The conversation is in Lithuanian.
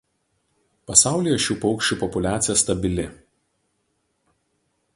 Pasaulyje šių paukščių populiacija stabili.